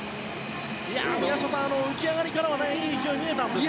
宮下さん、浮き上がりからいい勢いが見えたんですが。